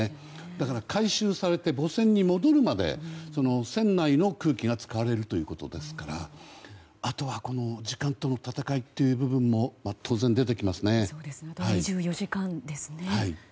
だから、回収されて母船に戻るまで船内の空気が使われるということですからあとは時間との戦いという部分も当然、出てきますね。